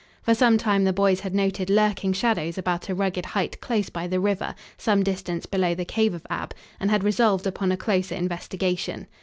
For some time the boys had noted lurking shadows about a rugged height close by the river, some distance below the cave of Ab, and had resolved upon a closer investigation.